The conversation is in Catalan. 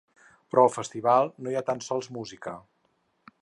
Però al festival no hi ha tan sols música.